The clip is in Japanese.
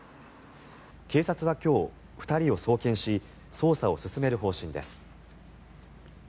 警察は今日、２人を送検し捜査を進める方針です。